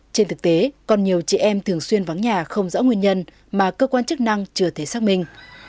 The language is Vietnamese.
trên thực tế còn nhiều chị em thường xuyên vắng nhà không rõ nguyên nhân mà cơ quan chức năng chưa thể xác minh